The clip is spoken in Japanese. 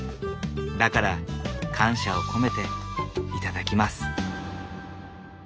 だから感謝を込めて頂きます。